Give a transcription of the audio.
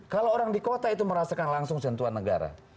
kalau orang di kota itu merasakan langsung sentuhan negara